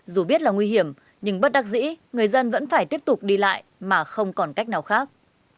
dù biết là nguy hiểm nhưng bất đắc dĩ người dân vẫn phải tiếp tục đi lại mà không còn cách nào khác